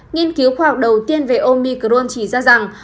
nghiên cứu khoa học đầu tiên về omicrone chỉ ra rằng